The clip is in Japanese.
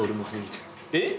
えっ？